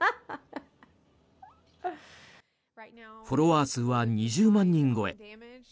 フォロワー数は２０万人超え。